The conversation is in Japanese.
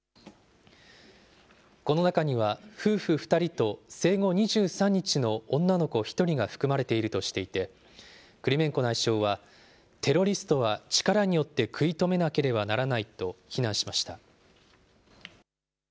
この中には、夫婦２人と生後２３日の女の子１人が含まれているとしていて、クリメンコ内相はテロリストは力によって食い止めなければならないと非難しました。